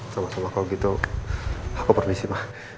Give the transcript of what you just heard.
sama sama kalau gitu aku permisi mah